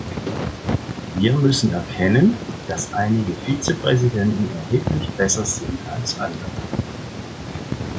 Wir müssen erkennen, dass einige Vizepräsidenten erheblich besser sind als andere.